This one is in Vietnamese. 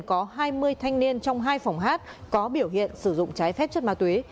có hai mươi thanh niên trong hai phòng hát có biểu hiện sử dụng trái phép chất ma túy